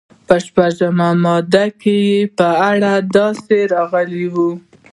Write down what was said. په شپږویشتمه ماده کې یې په اړه داسې راغلي دي.